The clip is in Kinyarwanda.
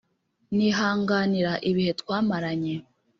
nihanganira ibihe twamaranye,